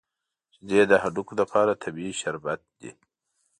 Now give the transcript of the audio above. شیدې د هډوکو لپاره طبیعي شربت دی